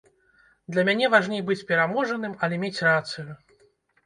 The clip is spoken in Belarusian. Для мяне важней быць пераможаным, але мець рацыю.